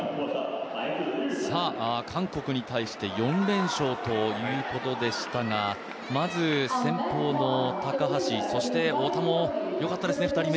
韓国に対して４連勝ということでしたが、まず先ぽうの高橋そして太田もよかったですね。